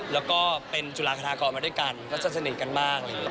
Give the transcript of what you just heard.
แล้วก็เป็นจุฬาคาทาเกาะมาด้วยกันก็สนิทกันมากเลย